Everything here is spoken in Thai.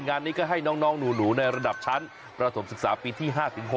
งานนี้ก็ให้น้องหนูในระดับชั้นประถมศึกษาปีที่๕๖